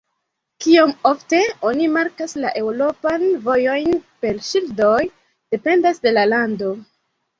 Kiom ofte oni markas la eŭropajn vojojn per ŝildoj, dependas de la lando.